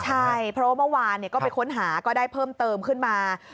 ใช่เพราะว่าเมื่อวานก็ไปค้นหาก็ได้เพิ่มเติมขึ้นมา